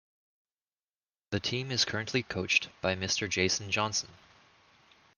The team is currently coached by Mr. Jason Johnson.